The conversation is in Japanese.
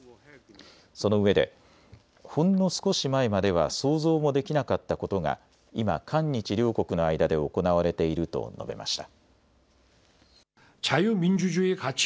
そのうえでほんの少し前までは想像もできなかったことが今、韓日両国の間で行われていると述べました。